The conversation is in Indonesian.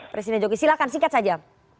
presiden jokowi silahkan singkat saja